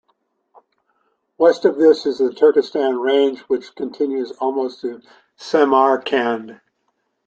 West of this is the Turkestan Range, which continues almost to Samarkand.